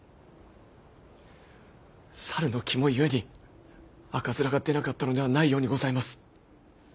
猿の肝ゆえに赤面が出なかったのではないようにございます。